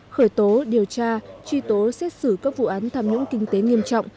khởi tố điều tra truy tố xét xử các vụ án tham nhũng kinh tế nghiêm trọng